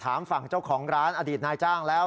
ฝั่งเจ้าของร้านอดีตนายจ้างแล้ว